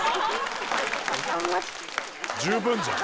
十分じゃん！